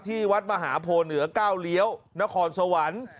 ที่วัดมหาโพเหนือก้าวเลี้ยวนครสวรรค์